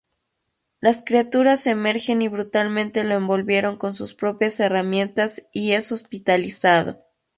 Las criaturas emergen y brutalmente lo envolvieron con sus propias herramientas y es hospitalizado.